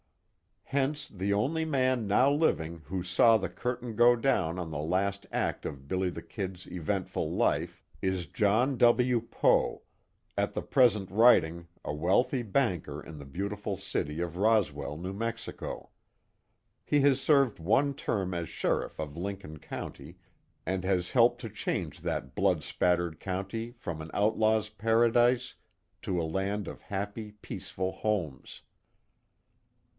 Hence the only man now living who saw the curtain go down on the last act of "Billy the Kid's" eventful life, is John W. Poe, at the present writing a wealthy banker in the beautiful little city of Roswell, New Mexico. He has served one term as sheriff of Lincoln County, and has helped to change that blood spattered county from an outlaw's paradise, to a land of happy, peaceful homes.